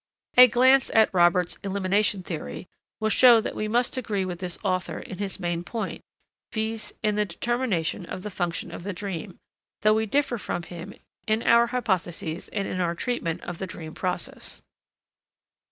A glance at Robert's "elimination theory," will show that we must agree with this author in his main point, viz. in the determination of the function of the dream, though we differ from him in our hypotheses and in our treatment of the dream process.